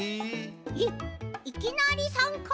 えっいきなりさんか？